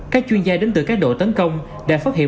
các chuyên gia đến từ các đội tấn công đã phát hiện